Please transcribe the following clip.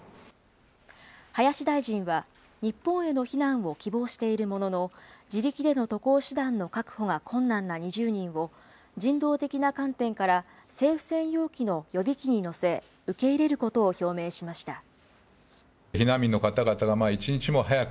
林大臣は、日本への避難を希望しているものの、自力での渡航手段の確保が困難な２０人を、人道的な観点から政府専用機の予備機に乗せ、受け入れることを表明しました。